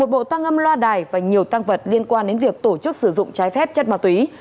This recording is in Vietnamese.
một bộ tăng âm loa đài và nhiều tăng vật liên quan đến việc tổ chức sử dụng trái phép chất ma túy